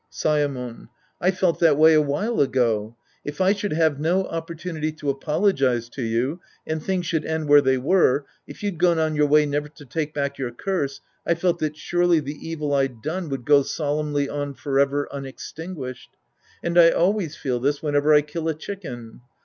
Saemon. I felt that way a while ago. If I should have no opportunity to apologize to you, and things should end where they were, if you'd gone on your way never to take back your curse, I felt that surely the evil I'd done would go solemnly on forever unextinguished. And I always feel this whenever I Idll a chicken.